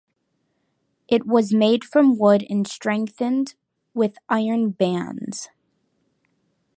It was made from wood and strengthened with iron bands.